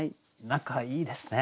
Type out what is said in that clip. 何かいいですね。